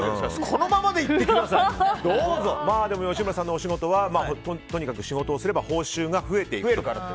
このままでいってくださいでも吉村さんのお仕事はとにかく仕事をすれば報酬が増えるからと。